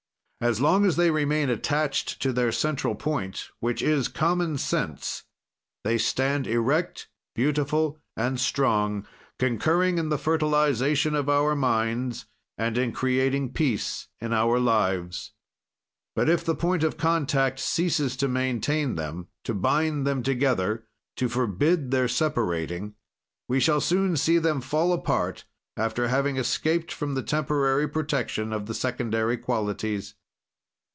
As long as they remain attached to their central point, which is common sense, they stand erect, beautiful and strong, concurring in the fertilization of our minds, and in creating peace in our lives. "But if the point of contact ceases to maintain them, to bind them together, to forbid their separating, we shall soon see them fall apart after having escaped from the temporary protection of the secondary qualities.